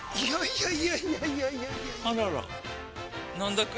いやいやいやいやあらら飲んどく？